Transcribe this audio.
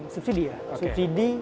subsidi ya subsidi